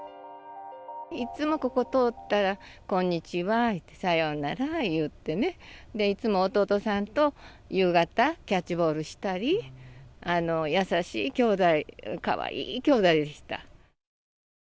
いつもここ通ったら、こんにちは、さようなら言うてね。いつも弟さんと夕方、キャッチボールしたり、優しい兄弟、かわいい兄弟でした。